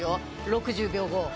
６０秒後。